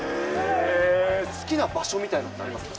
好きな場所みたいなのってありますか？